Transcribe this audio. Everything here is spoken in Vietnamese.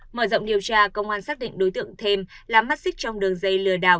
mở rộng điều tra công an xác định đối tượng thêm là mắt xích trong đường dây lừa đảo